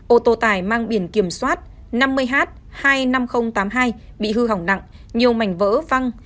ô tô tải mang biển kiểm soát năm mươi h hai mươi năm nghìn tám mươi hai bị hư hỏng nặng nhiều mảnh vỡ văng